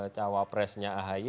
cawa presnya ahy